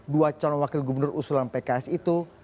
dua calon wakil gubernur usulan pks itu